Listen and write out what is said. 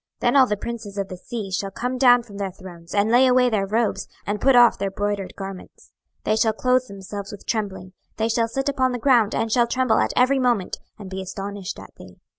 26:026:016 Then all the princes of the sea shall come down from their thrones, and lay away their robes, and put off their broidered garments: they shall clothe themselves with trembling; they shall sit upon the ground, and shall tremble at every moment, and be astonished at thee.